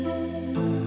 sampai jumpa lagi mams